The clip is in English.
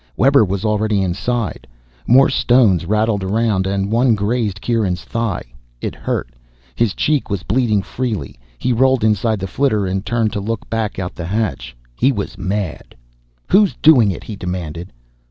Webber was already inside. More stones rattled around and one grazed Kieran's thigh. It hurt. His cheek was bleeding freely. He rolled inside the flitter and turned to look back out the hatch. He was mad. "Who's doing it?" he demanded.